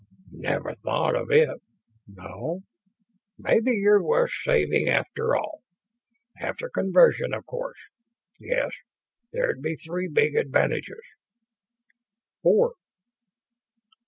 "Never thought of it, no. Maybe you're worth saving, after all. After conversion, of course.... Yes, there'd be three big advantages." "Four."